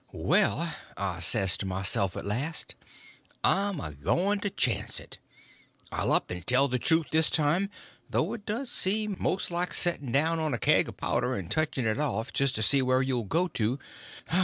Well, I says to myself at last, I'm a going to chance it; I'll up and tell the truth this time, though it does seem most like setting down on a kag of powder and touching it off just to see where you'll go to.